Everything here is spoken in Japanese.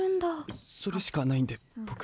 それしかないんでぼく。